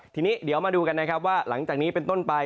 ทีนี้เดี๋ยวมาดูกันนะครับว่าหลังจากนี้เป็นต้นไป